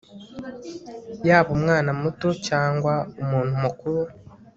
yaba umwana muto cyangwa umuntu mukuru